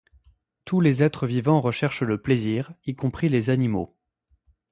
Tous les êtres vivants recherchent le plaisir, y compris les animaux.